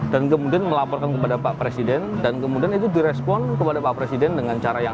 dan kemudian melaporkan kepada pak presiden dan kemudian itu direspon kepada pak presiden dengan cara yang